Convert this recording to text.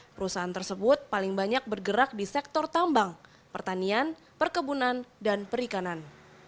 perusahaan tersebut paling banyak bergerak di sektor tambang pertanian perkebunan dan perikanan